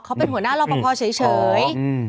เขาเป็นหัวหน้ารอปภเฉย